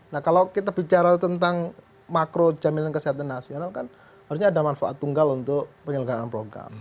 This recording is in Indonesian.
nah kalau kita bicara tentang makro jaminan kesehatan nasional kan harusnya ada manfaat tunggal untuk penyelenggaraan program